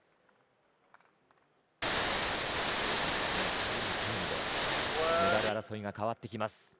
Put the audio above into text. この２人のタイムでメダル争いが変わってきます。